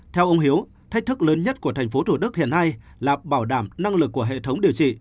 theo ông hiếu thách thức lớn nhất của tp thủ đức hiện nay là bảo đảm năng lực của hệ thống điều trị